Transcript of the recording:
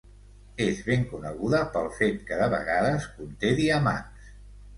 És ben coneguda pel fet que de vegades conté diamants.